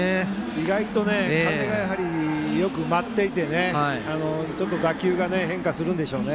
意外と風がよく舞っていてね打球が変化するんでしょうね。